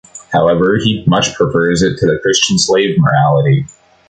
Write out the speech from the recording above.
However, he much prefers it to the Christian slave-morality.